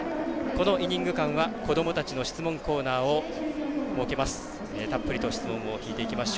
このイニング間は子どもたちの質問コーナーを設けます。